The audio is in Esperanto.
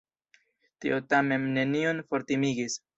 Tio tamen neniun fortimigis.